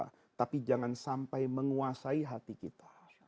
tetapi jangan sampai menguasai hati kita